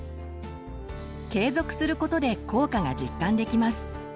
継続することで効果が実感できます。